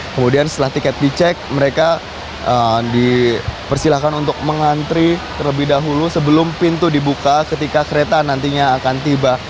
kemudian setelah tiket dicek mereka dipersilahkan untuk mengantri terlebih dahulu sebelum pintu dibuka ketika kereta nantinya akan tiba